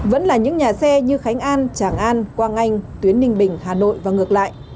vẫn là những nhà xe như khánh an tràng an quang anh tuyến ninh bình hà nội và ngược lại